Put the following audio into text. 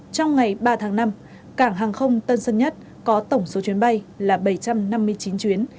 trong ngày ba tháng năm cảng hàng không tân sơn nhất có tổng số chuyến bay là bảy trăm năm mươi chín chuyến